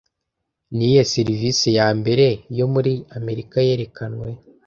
Niyihe serivise ya mbere yo muri Amerika yerekanwe